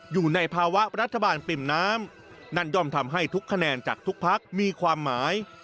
อยู่ในภาวะรัฐบาลปริ่มน้ำนั่นย่อมทำให้ทุกคะแนนจากทุกพักมีความหมาย